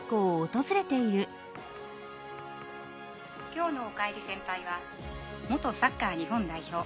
「きょうの『おかえり先輩』は元サッカー日本代表